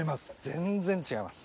全然違います。